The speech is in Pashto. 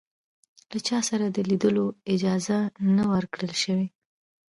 له چا سره د لیدلو اجازه نه وه ورکړل شوې.